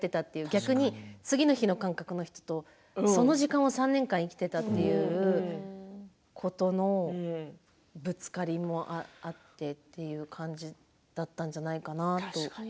逆に次の日の感覚の人とその時間を３年間生きていたということのぶつかりもあってという感じだったんじゃないかなと。